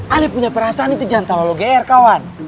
aneh punya perasaan itu jangan tau lo geyer kawan